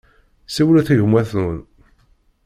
Siwlet i gma-twen.